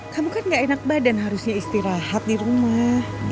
kamu kan gak enak badan harusnya istirahat di rumah